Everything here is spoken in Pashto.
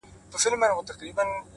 هغه مي سايلينټ سوي زړه ته _